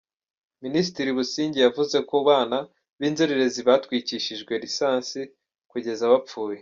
Minisitiri Busingye yavuze ku bana b’inzererezi batwikishijwe lisansi kugeza bapfuye.